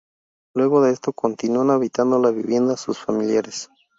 Luego de esto, continúan habitando la vivienda sus familiares.